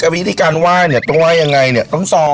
วิธีการว่ายตรงว่ายอย่างไรนี่ต้องซ้อม